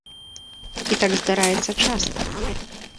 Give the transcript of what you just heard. І так здараецца часта.